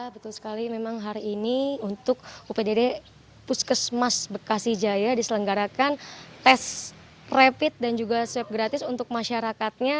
betul sekali memang hari ini untuk updd puskesmas bekasi jaya diselenggarakan tes rapid dan juga swab gratis untuk masyarakatnya